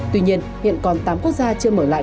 tuy nhiên hiện còn tám quốc gia chưa mở lại